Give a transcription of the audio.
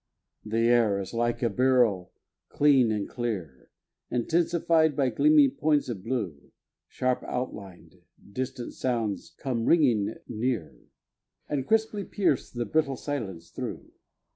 The air is like a beryl, clean and clear, Intensified by gleaming points of blue. Sharp outlined, distant sounds come ringing near And crisply pierce the brittle silence through.